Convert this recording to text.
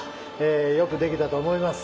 よくできたと思います